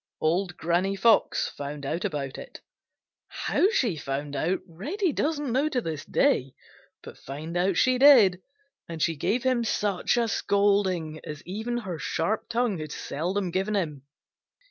Old Granny Fox found out about it. How she found out Reddy doesn't know to this day, but find out she did, and she gave him such a scolding as even her sharp tongue had seldom given him.